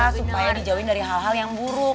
supaya dijauhin dari hal hal yang buruk